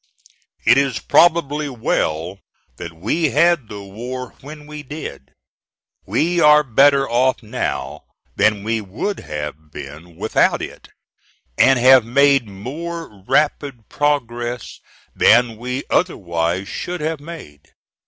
It is probably well that we had the war when we did. We are better off now than we would have been without it, and have made more rapid progress than we otherwise should have made.